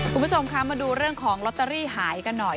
คุณผู้ชมคะมาดูเรื่องของลอตเตอรี่หายกันหน่อย